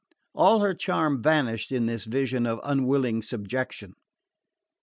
All her charm vanished in this vision of unwilling subjection...